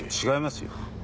違いますよ。